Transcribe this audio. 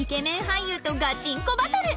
俳優とガチンコバトル